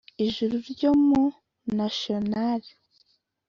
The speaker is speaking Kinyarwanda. ijuru ryo mu Nationale